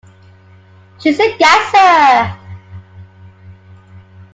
She's a gasser!